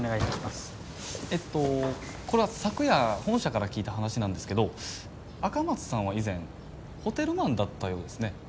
えっとこれは昨夜本社から聞いた話なんですけど赤松さんは以前ホテルマンだったようですね。